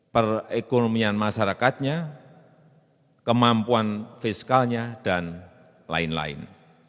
perekonomian masyarakatnya kemampuan fiskalnya dan lain lain